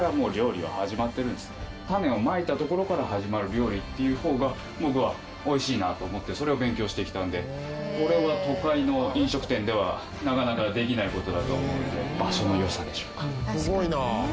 種をまいたところから始まる料理っていう方が僕は美味しいなと思ってそれを勉強してきたのでこれは都会の飲食店ではなかなかできない事だと思うので場所の良さでしょうか。